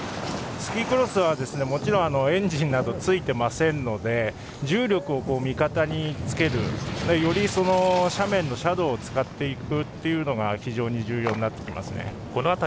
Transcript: スキークロスはもちろんエンジンなどついていませんので重力を味方につけるより斜面の斜度を使っていくことが非常に重要になってきますね。